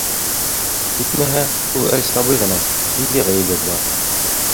Етмәһә, ул әле сабый ғына, ниндәй ғәйебе бар?